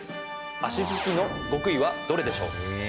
足突きの極意はどれでしょう？